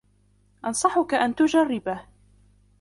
أنصحك أن تجربه.